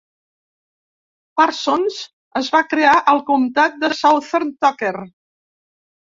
Parsons es va crear al comtat de Southern Tucker.